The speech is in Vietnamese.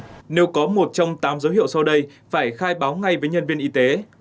nếu có một trong tám dấu hiệu sau đây phải khai báo ngay với nhân viên y tế